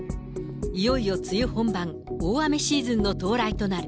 いよいよ梅雨本番、大雨シーズンの到来となる。